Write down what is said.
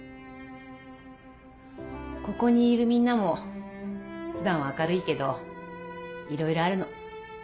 ここにいるみんなも普段は明るいけどいろいろあるの。